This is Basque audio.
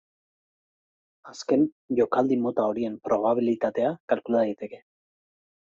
Azken jokaldi-mota horien probabilitatea kalkula daiteke.